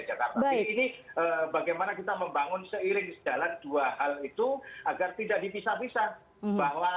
jakarta jadi ini bagaimana kita membangun seiring sejalan dua hal itu agar tidak dipisah pisah bahwa